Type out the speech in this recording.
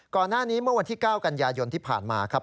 ก่อนหน้านี้เมื่อวันที่๙กันยายนที่ผ่านมาครับ